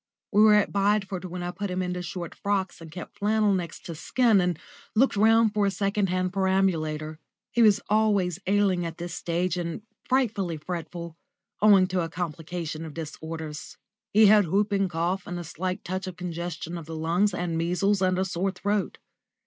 We were at Bideford when I put him into short frocks and kept flannel next his skin and looked round for a second hand perambulator. He was always ailing at this stage, and frightfully fretful, owing to a complication of disorders. He had whooping cough and a slight touch of congestion of the lungs, and measles and a sore throat.